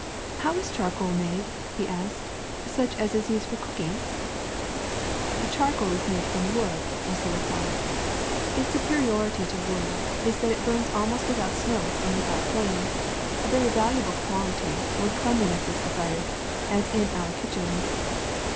*^How is charcoal made, '' he asked, ^^ such as is used for cook ingl" '^Charcoal is made from wood," was the reply. ^'Its superiority to wood is that it bums almost without smoke and without flame, a very valuable quality where cleanliness is desired, as it is in our kitchens.